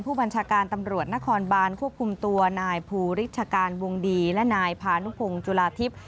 ผู้บัญชาการตำรวจนครบานควบคุมตัวนายภูริชการวงดีและนายพานุพงศ์จุฬาทิพย์